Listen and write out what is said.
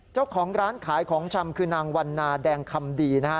เจ้าของร้านขายของชำคือนางวันนาแดงคำดีนะฮะ